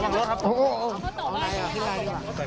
เขาต่อว่าเราใช่มั้ยคะพี่